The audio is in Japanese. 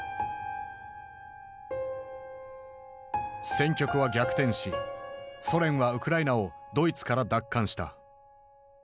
戦局は逆転しソ連はウクライナをドイツから奪還した。